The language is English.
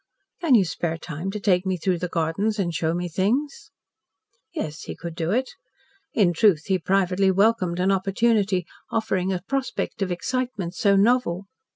"Can you spare time to take me through the gardens and show me things?" Yes, he could do it. In truth, he privately welcomed an opportunity offering a prospect of excitement so novel.